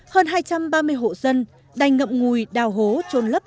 hơn hai trăm ba mươi hộ dân đành ngậm ngùi đào hố trôn lấp